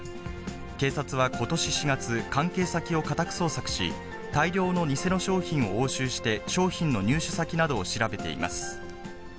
警察はことし４月、関係先を家宅捜索し、大量の偽の商品を押収して、商品の入手先などを調べています。